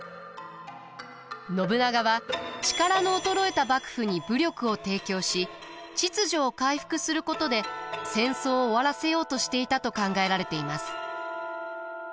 信長は力の衰えた幕府に武力を提供し秩序を回復することで戦争を終わらせようとしていたと考えられています。